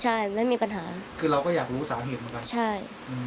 ใช่ไม่มีปัญหาคือเราก็อยากรู้สาเหตุเหมือนกันใช่อืม